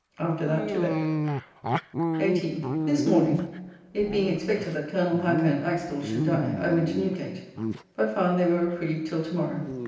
After that to bed. 18th. This morning, it being expected that Colonel Hacker and Axtell should die, I went to Newgate, but found they were reprieved till to morrow.